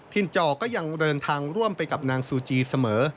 จอก็ยังเดินทางร่วมไปกับนางซูจีเสมอ